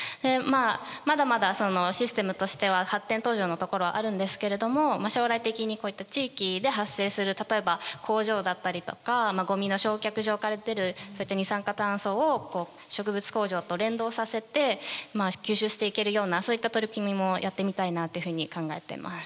まだまだそのシステムとしては発展途上のところはあるんですけれども将来的にこういった地域で発生する例えば工場だったりとかゴミの焼却場から出るそういった二酸化炭素を植物工場と連動させて吸収していけるようなそういった取り組みもやってみたいなというふうに考えてます。